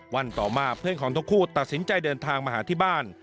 วันต่อมาเพื่อนของทั้งคู่ตัดสินใจเดินทางมาหาที่บ้าน